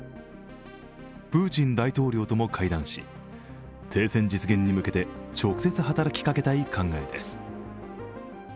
プーチン大統領とも会談し停戦実現に向けて直接、働きかけたい考えです。